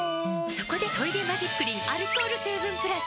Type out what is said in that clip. そこで「トイレマジックリン」アルコール成分プラス！